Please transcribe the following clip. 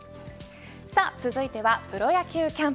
さあ続いてはプロ野球キャンプ。